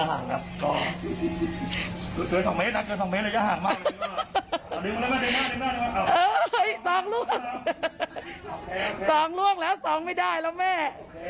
นั่งหนึ่งหน้านั่งหน้าหน้า